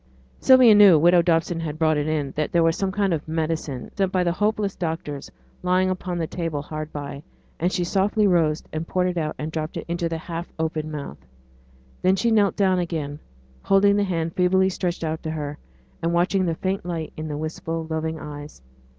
Sylvia knew widow Dobson had brought it in that there was some kind of medicine, sent by the hopeless doctors, lying upon the table hard by, and she softly rose and poured it out and dropped it into the half open mouth. Then she knelt down again, holding the hand feebly stretched out to her, and watching the faint light in the wistful loving eyes.